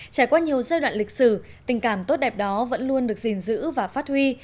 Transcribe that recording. trải qua nhiều giai đoạn lịch sử tình cảm tốt đẹp đó vẫn luôn được gìn giữ và phát huy